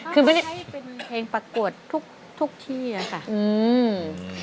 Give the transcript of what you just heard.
ใช้เป็นเพลงประกวดทุกขี่กลับ